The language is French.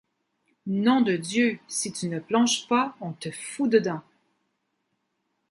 Nom de Dieu ! si tu ne plonges pas, on te fout dedans…